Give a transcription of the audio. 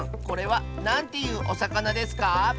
これはなんていうおさかなですか？